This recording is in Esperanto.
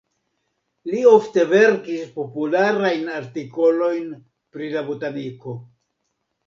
Li ofte verkis popularajn artikolojn pri la botaniko.